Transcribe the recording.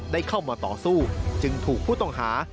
ได้เข้ามาต่อสู้จึงถูกผู้ต้องหา